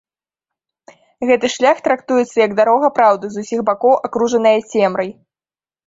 Гэты шлях трактуецца як дарога праўды, з усіх бакоў акружаная цемрай.